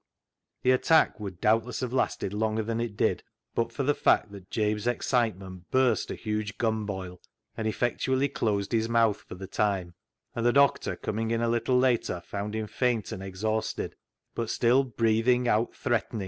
The attack would doubtless have lasted longer than it did but for the fact that Jabe's excitement burst a huge gumboil and effectually closed his mouth for the time, and the doctor, coming in a little later, found him faint and exhausted, but still " breathing out threatenings."